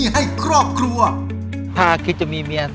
หากคิดจะมีเมียต้ม